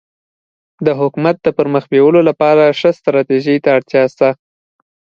د حکومت د پرمخ بیولو لپاره ښه ستراتيژي ته اړتیا سته.